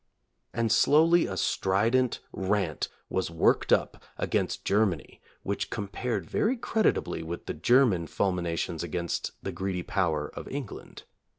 And slowly a strident rant was worked up against Germany which compared very creditably with the German fulminations against the greedy power of England.